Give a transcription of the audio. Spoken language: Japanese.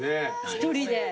１人で。